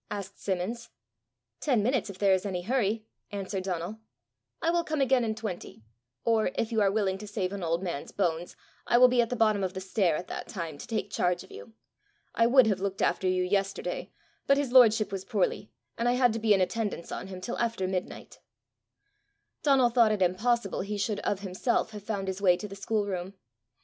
asked Simmons. "Ten minutes, if there is any hurry," answered Donal. "I will come again in twenty; or, if you are willing to save an old man's bones, I will be at the bottom of the stair at that time to take charge of you. I would have looked after you yesterday, but his lordship was poorly, and I had to be in attendance on him till after midnight." Donal thought it impossible he should of himself have found his way to the schoolroom.